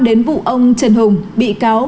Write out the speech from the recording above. đến vụ ông trần hùng bị cáo